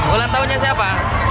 ulang tahunnya siapa